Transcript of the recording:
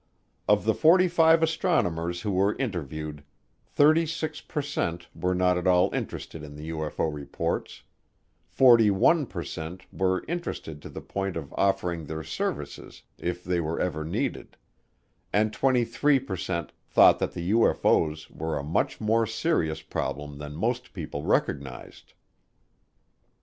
Of the forty five astronomers who were interviewed, 36 per cent were not at all interested in the UFO reports, 41 per cent were interested to the point of offering their services if they were ever needed, and 23 per cent thought that the UFO's were a much more serious problem than most people recognized.